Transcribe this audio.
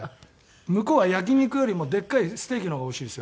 向こうは焼き肉よりもでっかいステーキの方がおいしいんですよ。